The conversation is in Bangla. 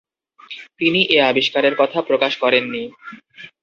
তিনি এ আবিষ্কারের কথা প্রকাশ করেননি।